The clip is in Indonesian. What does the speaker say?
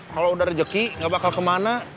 kalau udah rezeki nggak bakal kemana